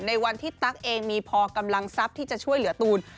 ในวันที่ตั๊กเองมีพอกำลังทรัพย์ที่จะช่วยเหลือตูน